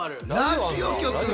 ラジオ局！